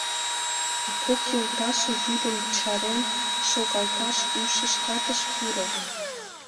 А кок йолташын тудым чарен шогалташ ушышкат ыш пуро.